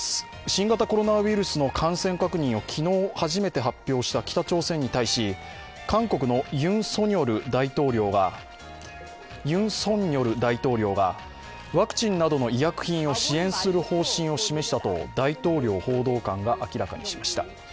新型コロナウイルスの感染確認を昨日初めて発表した北朝鮮に対し韓国のユン・ソンニョル大統領がワクチンなどの医薬品を支援する方針を示したと大統領報道官が明らかにしました。